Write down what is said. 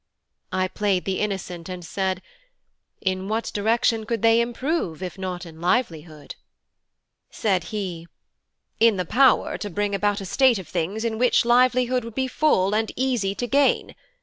I played the innocent and said: "In what direction could they improve, if not in livelihood?" Said he: "In the power to bring about a state of things in which livelihood would be full, and easy to gain.